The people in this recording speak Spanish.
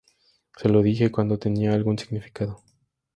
Se lo dije cuando tenía algún significado.